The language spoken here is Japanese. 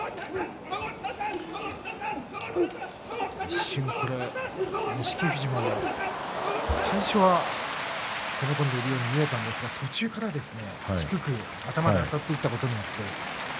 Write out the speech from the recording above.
一瞬、錦富士も最初は攻め込んでいるように見えたんですが途中から低く頭であたっていったことによって。